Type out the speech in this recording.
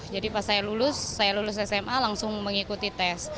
jadi pas saya lulus saya lulus sma langsung mengikuti tes